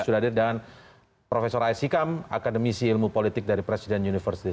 dan profesor aisyikam akademisi ilmu politik dari presiden universitas